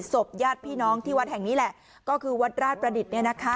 ศพญาติพี่น้องที่วัดแห่งนี้แหละก็คือวัดราชประดิษฐ์